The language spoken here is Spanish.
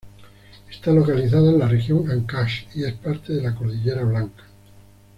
Está localizada en la región Ancash y es parte de la Cordillera Blanca.